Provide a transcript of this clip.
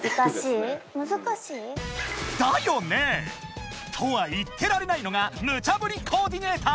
［だよね！とは言ってられないのがムチャぶりコーディネーター］